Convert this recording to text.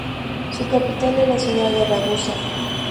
Su capital es la ciudad de Ragusa.